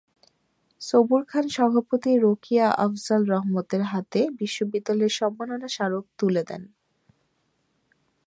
সবুর খান সভাপতি রোকিয়া আফজাল রহমানের হাতে বিশ্ববিদ্যালয়ের সম্মাননা স্মারক তুলে দেন।